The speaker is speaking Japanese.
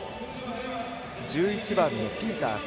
１１番のピータース。